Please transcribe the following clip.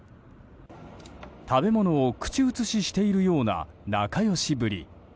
食べ物を口移ししているような仲良しぶり。